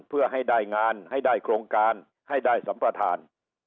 เพื่อได้งานโครงการสัมประธาน